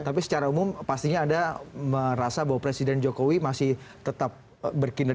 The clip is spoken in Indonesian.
tapi secara umum pastinya ada merasa bahwa presiden jokowi masih berusaha untuk menangkan kepentingan